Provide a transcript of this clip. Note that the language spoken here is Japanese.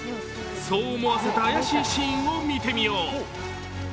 そう思わせた怪しいシーンを見てみよう。